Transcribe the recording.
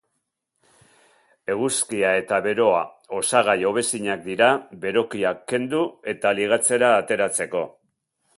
Eguzkia eta beroa osagai hobezinak dira berokiak kendu eta ligatzera ateratzeko.